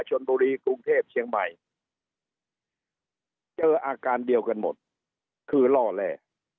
ชนบุรีกรุงเทพเชียงใหม่เจออาการเดียวกันหมดคือล่อแร่